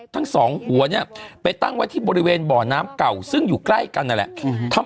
ทั้งสองหัวเนี่ยไปตั้งไว้ที่บริเวณบ่อน้ำเก่าซึ่งอยู่ใกล้กันนั่นแหละ